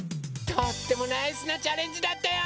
とってもナイスなチャレンジだったよ！